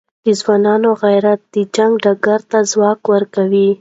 د ځوانانو غیرت د جنګ ډګر ته ځواک ورکوي.